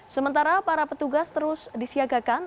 sementara para petugas terus disiagakan